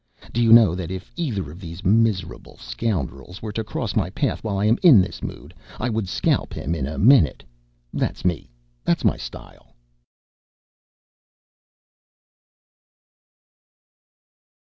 Do you know that if either of these miserable scoundrels were to cross my path while I am in this mood I would scalp him in a minute? That's me that's my style.